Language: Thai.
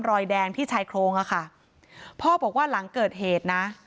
รอยแดงที่ชายโครงอะค่ะพ่อบอกว่าหลังเกิดเหตุนะ